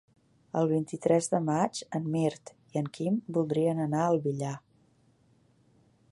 El vint-i-tres de maig en Mirt i en Quim voldrien anar al Villar.